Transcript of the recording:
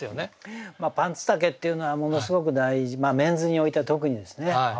まあパンツ丈っていうのはものすごく大事メンズにおいては特にですね。